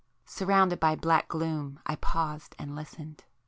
Surrounded by black gloom, I paused and listened.